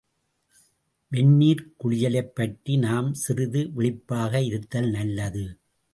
வெந்நீர்க் குளியலைப் பற்றி நாமும் சிறிது விழிப்பாக இருத்தல் நல்லது.